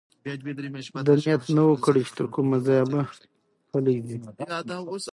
ده نیت نه و کړی چې تر کومه ځایه به پلی ځي.